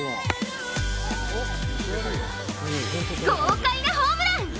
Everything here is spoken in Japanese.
豪快なホームラン。